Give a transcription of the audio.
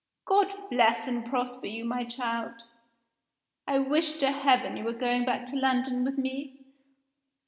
God bless and prosper you, my child! I wish to heaven you were going back to London with me!